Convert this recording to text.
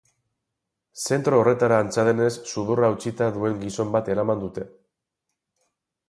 Zentro horretara antza denez sudurra hautsita duen gizon bat eraman dute.